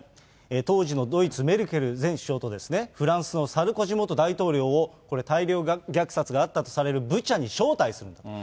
当時のドイツ、メルケル前首相とフランスのサルコジ元大統領を、これ大量虐殺があったとされるブチャに招待する。